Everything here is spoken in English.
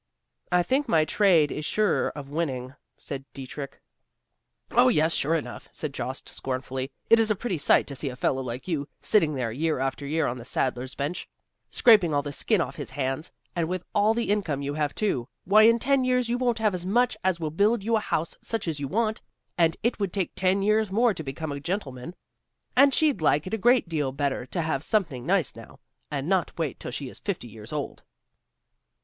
"I think my trade is surer of winning;" said Dietrich. "Oh yes, sure enough!" said Jost scornfully. "It is a pretty sight to see a fellow like you, sitting there year after year on the saddler's bench, scraping all the skin off his hands; and with all the income you have, too! why in ten years you won't have as much as will build you a house such as you want, and it would take ten years more to become a gentleman; and she'd like it a great deal better to have something nice now, and not wait till she is fifty years old."